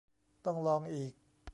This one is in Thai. ต้องลองอีก